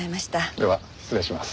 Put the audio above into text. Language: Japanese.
では失礼します。